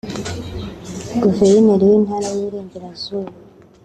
Guverineri w’Intara y’i Burengerazuba